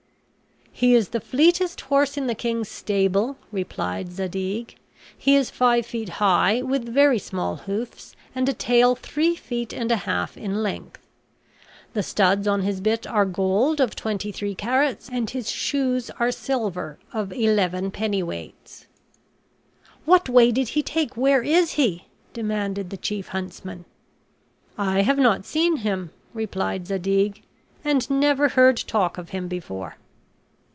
"He is the fleetest horse in the king's stable," replied Zadig; "he is five feet high, with very small hoofs, and a tail three feet and a half in length; the studs on his bit are gold of twenty three carats, and his shoes are silver of eleven pennyweights." "What way did he take? where is he?" demanded the chief huntsman. "I have not seen him," replied Zadig, "and never heard talk of him before."